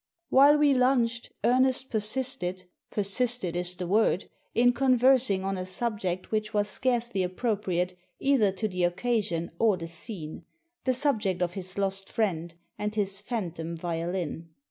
While we lunched Ernest persisted — ^persisted is the word — in conversing on a subject which was scarcely appropriate either to the occasion or the scene — the subject of his lost friend and his phantom violin.